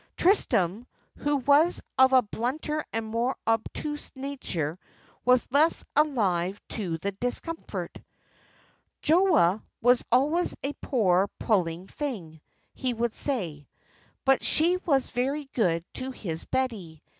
Tristram, who was of a blunter and more obtuse nature, was less alive to the discomfort. Joa was always a poor puling thing, he would say, but she was very good to his Betty.